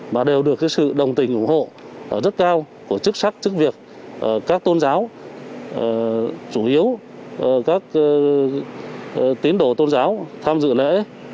mà đều được sự đồng tình ủng hộ rất cao của chức sắc chức việc các tôn giáo chủ yếu các tín đồ tôn giáo tham dự lễ